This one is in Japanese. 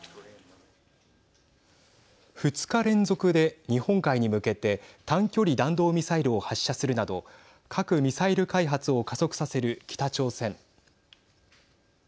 ２日連続で日本海に向けて短距離弾道ミサイルを発射するなど核・ミサイル開発を加速させる北朝鮮。